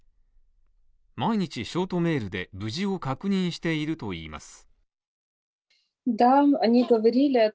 毎日、ショートメールで無事を確認しているといいます。